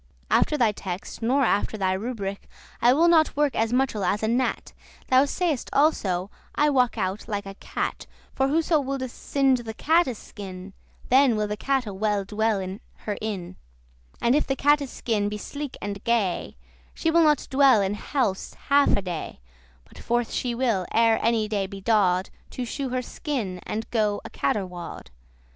After thy text nor after thy rubrich I will not work as muchel as a gnat. Thou say'st also, I walk out like a cat; For whoso woulde singe the catte's skin Then will the catte well dwell in her inn;* *house And if the catte's skin be sleek and gay, She will not dwell in house half a day, But forth she will, ere any day be daw'd, To shew her skin, and go a caterwaw'd.